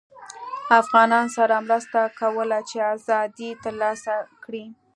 افغانانوسره مرسته کوله چې ازادي ترلاسه کړي